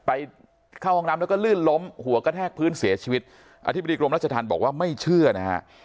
ไปเข้าห้องน้ำแล้วก็ลื่นล้มหัวกระแทกพื้นเสียชีวิตอธิบดีกรมรัชธรรมบอกว่าไม่เชื่อนะฮะ